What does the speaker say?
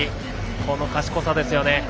このかしこさですよね。